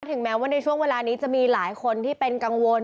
ถึงแม้ว่าในช่วงเวลานี้จะมีหลายคนที่เป็นกังวล